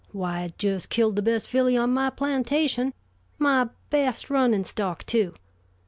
Why, it just killed the best filly on my plantation, my best running stock, too.